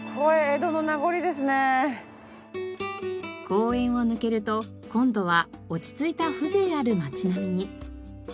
公園を抜けると今度は落ち着いた風情ある町並みに。